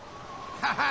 ハハハ。